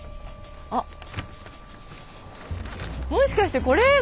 あっもしかしてこれ？